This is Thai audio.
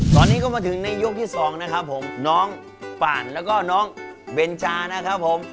ตอนนี้ก็มาถึงในยกที่สองนะครับผมน้องป่านแล้วก็น้องเบนจานะครับผม